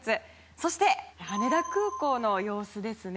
そして、羽田空港の様子ですね。